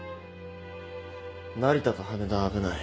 成田と羽田は危ない。